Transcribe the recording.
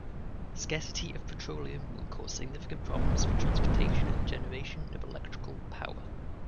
Scarcity of petroleum will cause significant problems for transportation and generation of electrical power.